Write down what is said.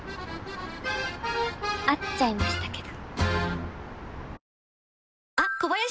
会っちゃいましたけど。